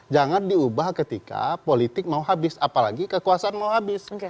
jangan diubah ketika politik mau habis apalagi kekuasaan mau habis